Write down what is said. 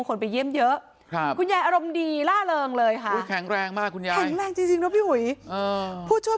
คนไปเยี่ยมเยอะคุณยายอารมณ์ดีล่าเริงเลยค่ะ